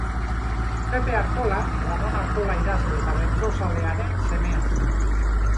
Pepe Artola, Ramon Artola idazle eta bertsozalearen semea zen.